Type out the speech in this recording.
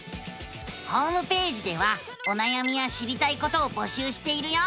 ホームページではおなやみや知りたいことを募集しているよ！